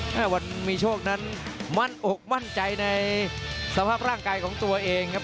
วันมีโชคนั้นมั่นอกมั่นใจในสภาพร่างกายของตัวเองครับ